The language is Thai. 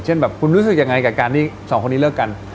แบบคุณรู้สึกยังไงกับการที่สองคนนี้เลิกกัน